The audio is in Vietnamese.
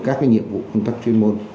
các cái nhiệm vụ công tác chuyên môn